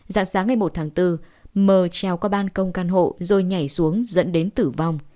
dạng sáng ngày một tháng bốn mờ trèo qua ban công căn hộ rồi nhảy xuống dẫn đến tử vong